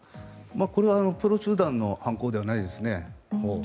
これはプロ集団の犯行ではないですね。